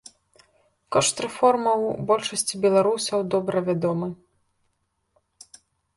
Кошт рэформаў большасці беларусаў добра вядомы.